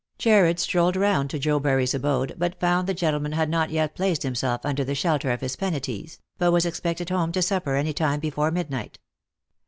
Jarred strolled round to Jobury's abode, but found tha gentleman had not yet placed himself under the shelter of hi? Penates, but was expected home to supper any time befora midnight.